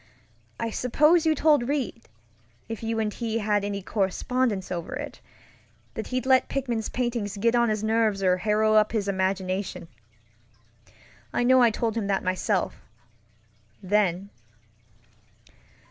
I suppose you told Reid, if you and he had any correspondence over it, that he'd let Pickman's paintings get on his nerves or harrow up his imagination. I know I told him that myselfŌĆöthen.